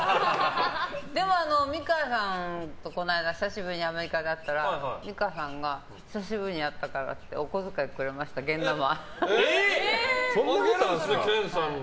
でも、美川さんとこの間久しぶりにアメリカで会ったら美川さんが久しぶりに会ったからってあげるんすね、研さんに。